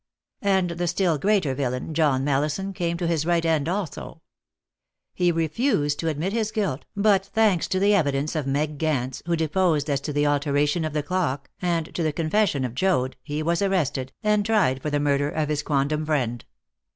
And the still greater villain, John Mallison, came to his right end also. He refused to admit his guilt, but, thanks to the evidence of Meg Gance, who deposed as to the alteration of the clock, and to the confession of Joad, he was arrested, and tried for the murder of his quondam friend.